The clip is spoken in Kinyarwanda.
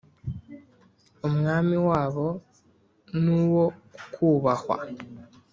Umwami wabo nuwo kubahwa